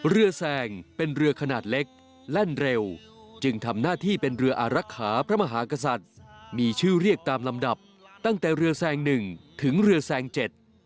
เรือแซงเป็นเรือขนาดเล็กแล่นเร็วจึงทำหน้าที่เป็นเรืออารักษาพระมหากษัตริย์มีชื่อเรียกตามลำดับตั้งแต่เรือแซงหนึ่งถึงเรือแซงเจ็ด